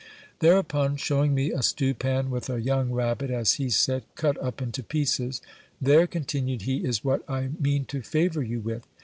Thereupon, shewing me a stewpan with a young rabbit, as he said, cut up into pieces : There, continued he, is what I mean to favour you with.